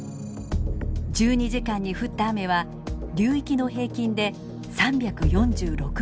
１２時間に降った雨は流域の平均で３４６ｍｍ。